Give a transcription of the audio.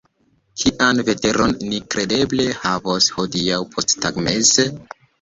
Kian veteron ni kredeble havos hodiaŭ posttagmeze?